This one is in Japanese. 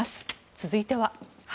続いては。